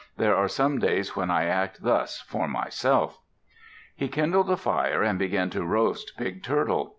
"There are some days when I act thus for myself." He kindled a fire and began to roast Big Turtle.